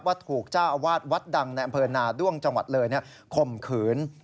ถูกเจ้าอาวาสวัดดังในอำเภอนาด้วงจังหวัดเลยข่มขืน